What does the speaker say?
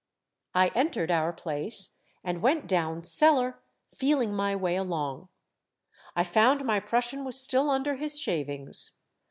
I entered our place, and went down cellar, feeling my way along. I found my Prussian was still under his shavings.